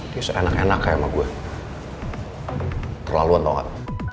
dia seenak enak kayak sama gue terlaluan tau gak